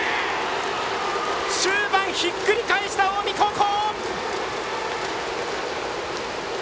終盤、ひっくり返した近江高校！